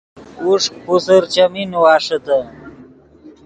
اوݰک پوسر چیمین نیواݰیتے